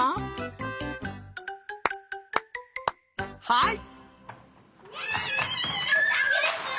はい。